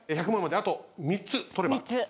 １００万まであと３つ取れば。